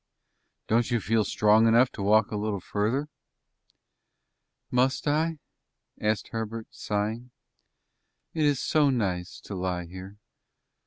"Don't you feel strong enough to walk a little further?" "Must I?" asked Herbert, sighing. "It is so nice to lie here."